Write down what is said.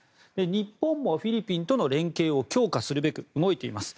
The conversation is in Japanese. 日本もフィリピンとの連携を強化するべく動いています。